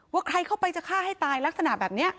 ว่าใครเข้าไปจะฆ่าให้ตายลักษณะแบบนี้